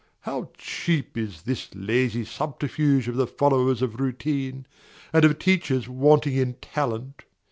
How cheap is this lazy subterfuge of the followers of routine, and of teachers wanting in talent!